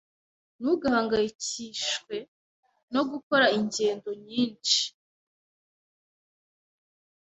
Ntugahangayikishijwe no gukora ingendo nyinshi. (_kuyobora)